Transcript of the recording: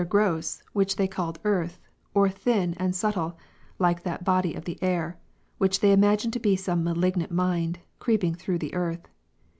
gross, which they called earth % or thin and subtile, (like the ■—'■—'— body of the air,) which they imagine to be some malignant mind, creeping through that earth.